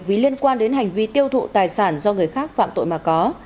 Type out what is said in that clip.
vì liên quan đến hành vi tiêu thụ tài sản do người khác phạm tội mà có